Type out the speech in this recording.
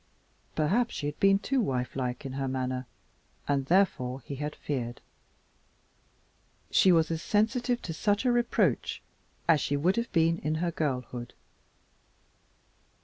Perhaps she had been too wifelike in her manner, and therefore he had feared. She was as sensitive to such a reproach as she would have been in her girlhood.